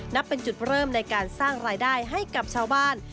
นับเป็นจุดเริ่มในการสร้างรายได้ให้กับชาวบ้าน